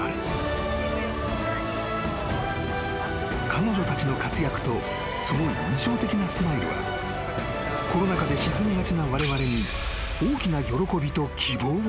［彼女たちの活躍とその印象的なスマイルはコロナ禍で沈みがちなわれわれに］